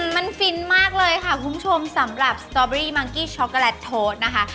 มันฟินมากเลยค่ะคุณผู้ชมสำหรับสตอเบอรี่มังกี้ช็อกโกแลตโทษนะคะ